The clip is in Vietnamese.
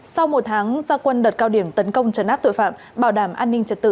sau một tháng gia quân đợt cao điểm tấn công trấn áp tội phạm bảo đảm an ninh trật tự